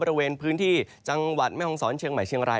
บริเวณพื้นที่จังหวัดแม่ห้องศรเชียงใหม่เชียงราย